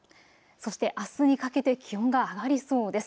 そしてあすにかけて気温が上がりそうです。